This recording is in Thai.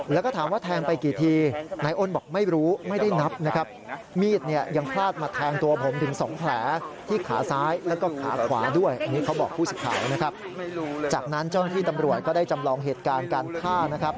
แล้วก็ถามว่าแทงไปกี่ทีนายอ้นบอกไม่รู้ไม่ได้นับนะครับ